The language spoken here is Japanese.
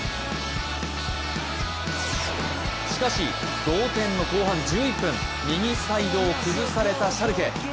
しかし同点の後半１１分右サイドを崩されたシャルケ。